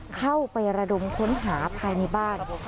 เข้าไประดมค้นหาภายในบ้าน